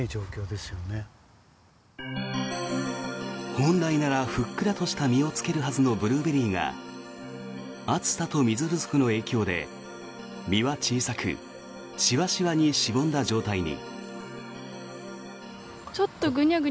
本来ならふっくらとした実をつけるはずのブルーベリーが暑さと水不足の影響で実は小さくシワシワにしぼんだ状態に。